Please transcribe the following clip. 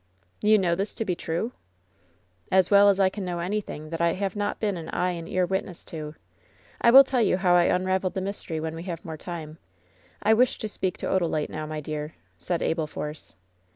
"You know this to be true ?" ^*As well as I can know anything that I have not been an eye and ear witness to. I will tell you how I un 252 LOVE'S BITTEREST CUP raveled the mystery when we have more time. I wish to speak to Odalite now, my dear," said Abel Force.